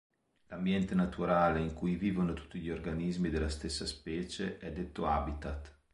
L'ambiente naturale in cui vivono tutti gli organismi della stessa specie è detto habitat.